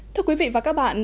thưa quý vị và các bạn